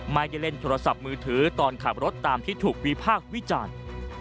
ไม่ได้เล่นโทรศัพท์มือถือตอนขับรถตามที่ถูกวิพากษ์วิจารณ์